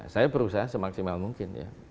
saya berusaha semaksimal mungkin ya